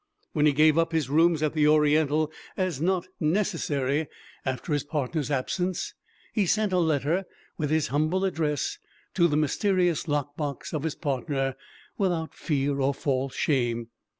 When he gave up his rooms at the Oriental as not necessary after his partner's absence he sent a letter, with his humble address, to the mysterious lock box of his partner without fear or false shame.